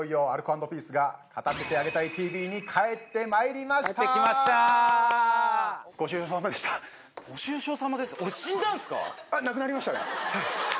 いよいよアルコ＆ピースが『勝たせてあげたいＴＶ』に帰ってまいりました。